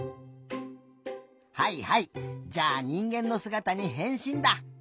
はいはいじゃあにんげんのすがたにへんしんだ。